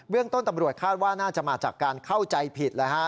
เรื่องต้นตำรวจคาดว่าน่าจะมาจากการเข้าใจผิดเลยฮะ